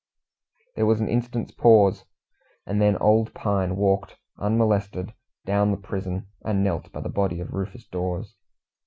There was an instant's pause, and then old Pine walked, unmolested, down the prison and knelt by the body of Rufus Dawes.